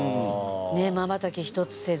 ねっまばたき一つせずに。